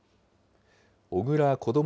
小倉こども